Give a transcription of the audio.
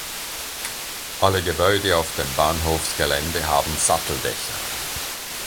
Alle Gebäude auf dem Bahnhofsgelände haben Satteldächer.